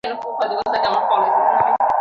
সে বলল, আল্লাহর কসম করে বলছি।